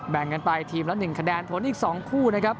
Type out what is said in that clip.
แบ่งกันไปทีมละ๑คะแนนผลอีก๒คู่นะครับ